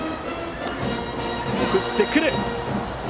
送ってくる。